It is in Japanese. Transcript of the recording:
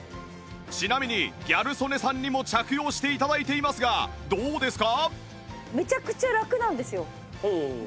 ちなみにギャル曽根さんにも着用して頂いていますがどうですか？